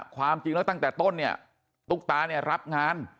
ความจริงแล้วตั้งแต่ต้นเนี่ยตุ๊กตาเนี่ยรับงาน